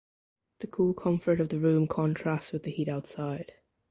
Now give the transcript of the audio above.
The cool comfort of the room contrasts with the heat outside.